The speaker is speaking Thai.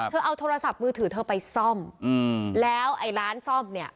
เธอเอาโทรศัพท์มือถือเธอไปซ่อมอืมแล้วไอ้ร้านซ่อมเนี่ย